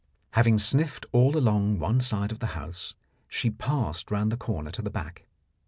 Having sniffed all along one side of the house, she passed round the corner to the back.